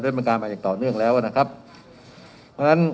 ด้วยบรรยาการบรรยาการอย่างต่อเรื่องแล้วนะครับเพราะฉะนั้น